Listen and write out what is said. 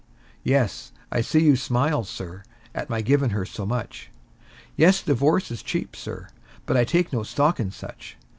Yes, I see you smile, Sir, at my givin' her so much; Yes, divorce is cheap, Sir, but I take no stock in such!